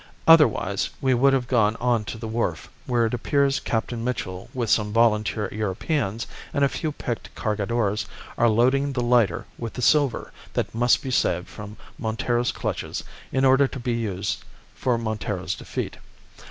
Otherwise we would have gone on to the wharf, where it appears Captain Mitchell with some volunteer Europeans and a few picked Cargadores are loading the lighter with the silver that must be saved from Montero's clutches in order to be used for Montero's defeat.